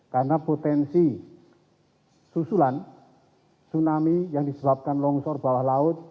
karena potensi susulan tsunami yang disebabkan longsor bawah laut